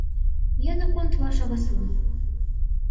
Я наконт вашага сына.